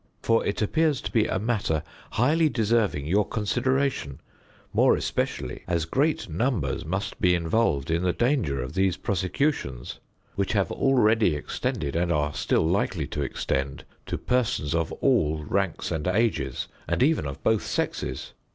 For it appears to be a matter highly deserving your consideration, more especially as great numbers must be involved in the danger of these prosecutions, which have already extended, and are still likely to extend, to persons of all ranks and ages, and even of both sexes.